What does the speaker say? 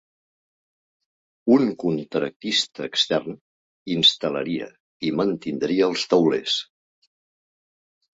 Un contractista extern instal·laria i mantindria els taulers.